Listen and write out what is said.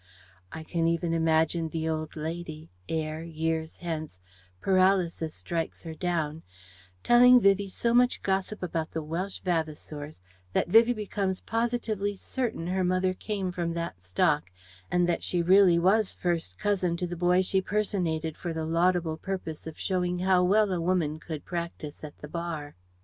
I can even imagine the old lady ere years hence paralysis strikes her down telling Vivie so much gossip about the Welsh Vavasours that Vivie becomes positively certain her mother came from that stock and that she really was first cousin to the boy she personated for the laudable purpose of showing how well a woman could practise at the Bar.